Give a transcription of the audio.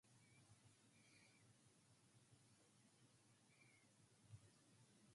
It was his first church.